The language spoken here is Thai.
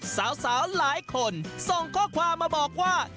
สาวหลายคนส่งข้อความมาบอกว่า